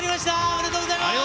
おめでとうございます。